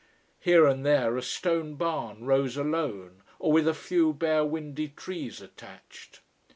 Here and there a stone barn rose alone, or with a few bare, windy trees attached.